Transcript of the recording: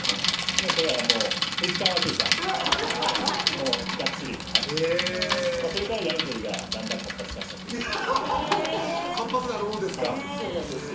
もうこれは食いつかんわけにいかんもうがっつりへぇそれからやり取りがだんだん活発化したというか活発なるもんですかそうなんですよ